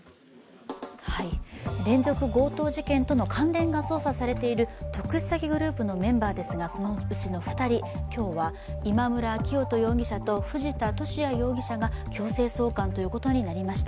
連続強盗事件との関連が捜査されている特殊詐欺グループのメンバーですが、そのうちの２人、今日は今村磨人容疑者と藤田聖也容疑者が強制送還ということになりました。